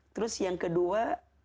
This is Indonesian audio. terus yang kedua